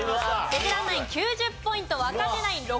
ベテランナイン９０ポイント若手ナイン６５ポイント。